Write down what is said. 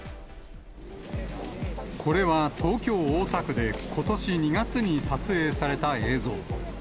これは東京・大田区で、ことし２月に撮影された映像。